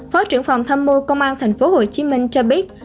phó trưởng phòng tham mưu công an tp hcm cho biết